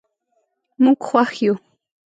موږ خوښ یو.